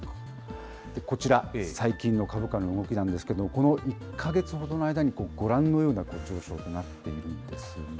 こちら、最近の株価の動きなんですけれども、この１か月ほどの間に、ご覧のような上昇となっているんですよね。